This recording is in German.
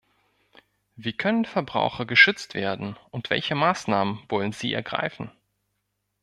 Wie können Verbraucher geschützt werden und welche Maßnahmen wollen Sie ergreifen?